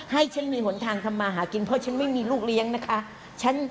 ให้ฉันมีหนทางทำมาหากินเพราะฉันไม่มีลูกเลี้ยงนะคะ